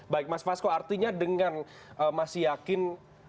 baik mas vasco artinya dengan mas yakin